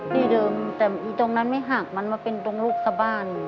ที่เดิมแต่ตรงนั้นไม่หักมันมาเป็นตรงลูกสะบ้าน